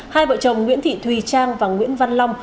hai vợ chồng nguyễn thị thùy trang và nguyễn văn long